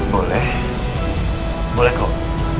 boleh boleh kok